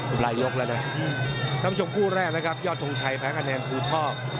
อุปรายยกแล้วนะครับอืมนำชมคู่แรกนะครับยอดธงชัยแผงอันแนนภูทอก